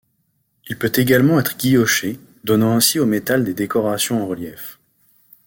Il peut également être guilloché, donnant ainsi au métal des décorations en relief.